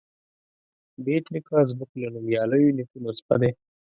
بېټ نیکه زموږ له نومیالیو نیکونو څخه دی.